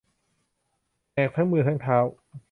แหกทั้งมือทั้งเท้า